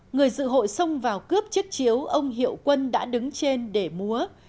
người dự hội xông vào cướp chiếc chiếu ông hiệu quân đã đứng trên để múa